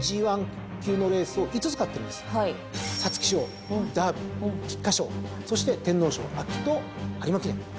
皐月賞ダービー菊花賞そして天皇賞と有馬記念。